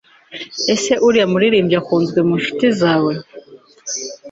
Ese uriya muririmbyi akunzwe mu nshuti zawe